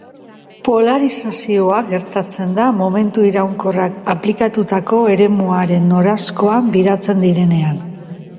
Polarizazioa gertatzen da momentu iraunkorrak aplikatutako eremuaren noranzkoan biratzen direnean.